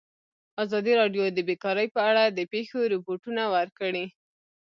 ازادي راډیو د بیکاري په اړه د پېښو رپوټونه ورکړي.